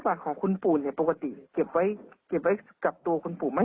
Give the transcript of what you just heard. รหัสของคุณปู่ปกติเก็บไว้กับตัวคุณปู่ไหม